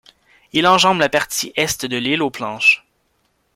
Il enjambe la partie est de l’île aux planches.